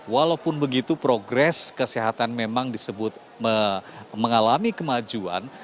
walaupun begitu progres kesehatan memang disebut mengalami kemajuan